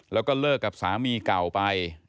แล้วก็เลิกกับสามีเก่าไป